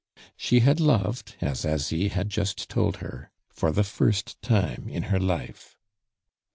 She had loved, as Asie had just told her, for the first time in her life.